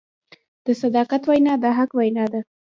د صداقت وینا د حق وینا ده.